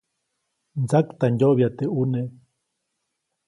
Mtsaktandyoʼbya teʼ ʼune.